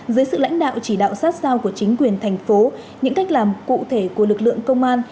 dưới sự lãnh đạo chỉ đạo sát sao của chính quyền thành phố những cách làm cụ thể của lực lượng công an